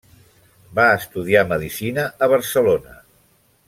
Va estudiar Medicina a Barcelona.